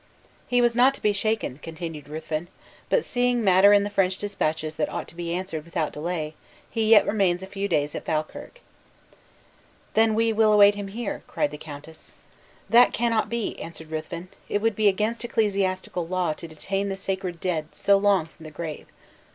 "He was not to be shaken," continued Ruthven; "but seeing matter in the French dispatches that ought to be answered without delay, he yet remains a few days at Falkirk." "Then we will await him here," cried the countess. "That cannot be," answered Ruthven, "it would be against ecclesiastical law to detain the sacred dead so long from the grave.